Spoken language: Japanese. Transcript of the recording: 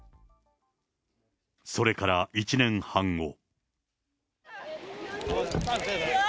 それから１年半後。